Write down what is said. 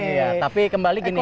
iya tapi kembali gini